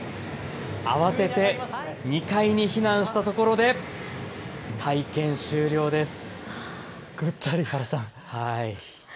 慌てて２階に避難したところで体験終了です。